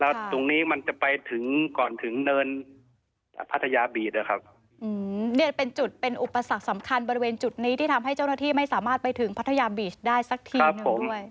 แล้วตรงนี้มันจะไปถึงก่อนถึงเนินพัทยาบีดนะครับเนี่ยเป็นจุดเป็นอุปสรรคสำคัญบริเวณจุดนี้ที่ทำให้เจ้าหน้าที่ไม่สามารถไปถึงพัทยาบีชได้สักทีหนึ่งด้วย